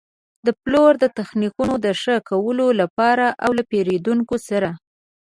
د پلور د تخنیکونو د ښه کولو لپاره او له پېرېدونکو سره.